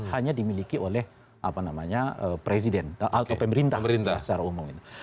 hanya dimiliki oleh presiden atau pemerintah pemerintah secara umum